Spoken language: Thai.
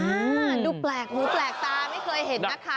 ดูแปลกหูแปลกตาไม่เคยเห็นนะคะ